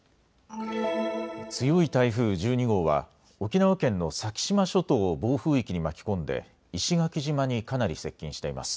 強い台風１２号は沖縄県の先島諸島を暴風域に巻き込んで石垣島にかなり接近しています。